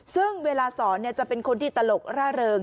ซึ่งเวลาสอนจะเป็นคนที่ตลกร่าเริง